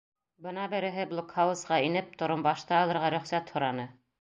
Бына береһе, блокһаузға инеп, торомбашты алырға рөхсәт һораны.